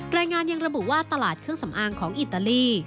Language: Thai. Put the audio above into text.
รายงานยังระบุว่าตลาดเครื่องสำอางของอิตาลี